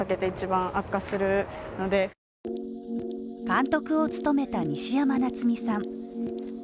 監督を務めた西山夏実さん。